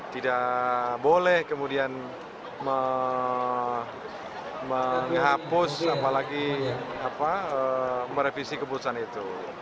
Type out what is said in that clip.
tidak boleh kemudian menghapus apalagi merevisi keputusan itu